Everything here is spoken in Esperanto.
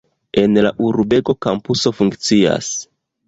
En la urbego kampuso funkcias.